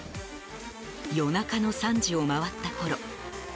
夜中の３時を回ったころ